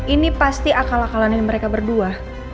ini pasti akal akalannya mereka berdua